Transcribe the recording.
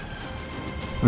duduk dulu ya